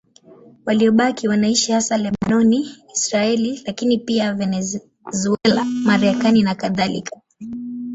Waliobaki wanaishi hasa Lebanoni, Israeli, lakini pia Venezuela, Marekani nakadhalika.